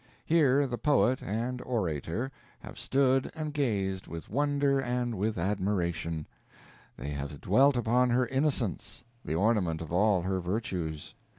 Here the poet and orator have stood and gazed with wonder and with admiration; they have dwelt upon her innocence, the ornament of all her virtues.